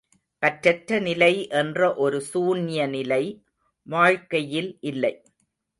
பற்றற்ற நிலை என்ற ஒரு சூன்ய நிலை வாழ்க்கையில் இல்லை.